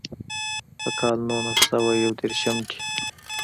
پۀ کال نولس سوه يو ديرشم کښې